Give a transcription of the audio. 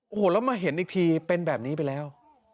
โอ้โหแล้วมาเห็นอีกทีเป็นแบบนี้ไปแล้ว